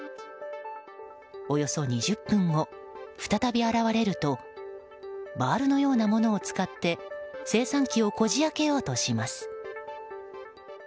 およそ２０分後、再び現れるとバールのようなものを使って精算機をこじ開けようとします。